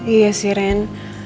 iya sih ren